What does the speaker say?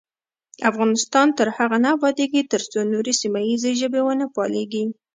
افغانستان تر هغو نه ابادیږي، ترڅو نورې سیمه ییزې ژبې ونه پالیږي.